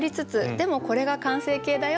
でもこれが完成形だよ